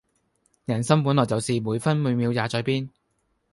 人心本來就是每分每秒也在變